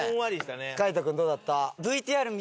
海人君どうだった？